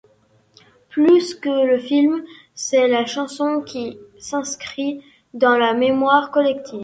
Plus que le film, c’est la chanson qui s’inscrit dans la mémoire collective.